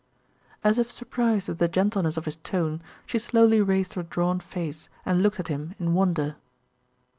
As if surprised at the gentleness of his tone, she slowly raised her drawn face and looked at him in wonder.